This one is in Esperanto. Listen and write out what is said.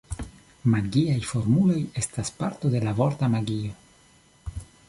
Magiaj formuloj estas parto de la vorta magio.